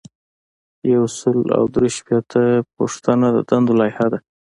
یو سل او درې شپیتمه پوښتنه د دندو لایحه ده.